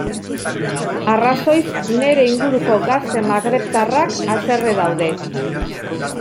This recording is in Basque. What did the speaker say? Arrazoiz, nire inguruko gazte magrebtarrak haserre daude.